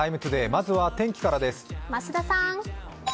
まずは天気からです。